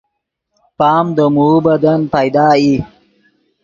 پام دے موؤ بدن پیدا ای